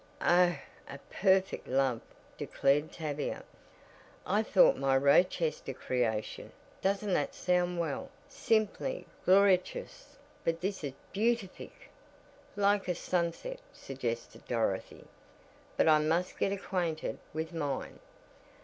"Oh, a perfect love!" declared Tavia. "I thought my Rochester creation doesn't that sound well simply 'gloriotious,' but this is beatific!" "Like a sunset," suggested Dorothy. "But I must get acquainted with mine."